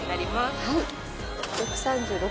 はい。